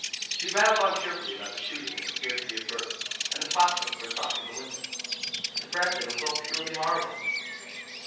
She rattled on cheerfully about the shooting and the scarcity of birds, and the prospects for duck in the winter. To Framton it was all purely horrible.